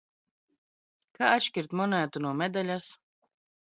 Kā atšķirt monētu no medaļas?